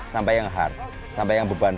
sampai yang hard sampai yang beban